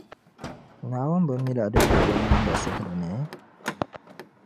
Naawuni bi mila din be binnamda suhiri ni?